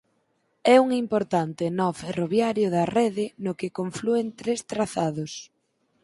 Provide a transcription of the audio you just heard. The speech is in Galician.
É un importante nó ferroviario da rede no que conflúen tres trazados.